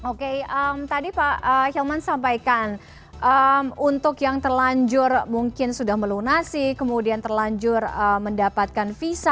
oke tadi pak hilman sampaikan untuk yang terlanjur mungkin sudah melunasi kemudian terlanjur mendapatkan visa